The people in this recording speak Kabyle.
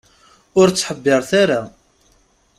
Ur ttḥebbiret ara.